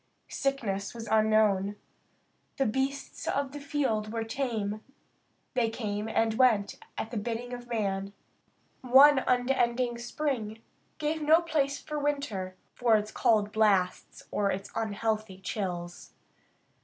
Sickness was unknown. The beasts of the field were tame; they came and went at the bidding of man. One unending spring gave no place for winter for its cold blasts or its unhealthy chills.